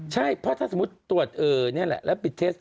ใช่เพราะถ้าสมมุติตรวจแล้วปิดเท็จ